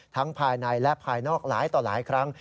ภายในและภายนอกหลายต่อหลายครั้ง